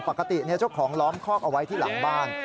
ปกติเจ้าของล้อมคอกเอาไว้ที่หลังบ้าน